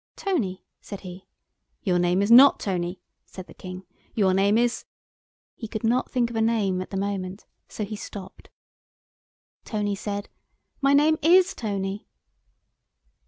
"Tony," said he. "Your name is not Tony," said the King, "your name is——" he could not think of a name at the moment, so he stopped. Tony said, "My name is Tony."